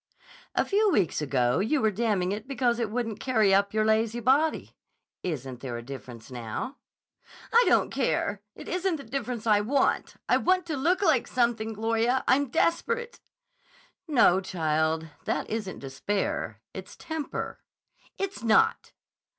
"A few weeks ago you were damning it because it wouldn't carry up your lazy body. Isn't there a difference now?" "I don't care; it isn't the difference I want. I want to look like something. Gloria, I'm desperate." "No, child. That isn't despair. It's temper." "It's not."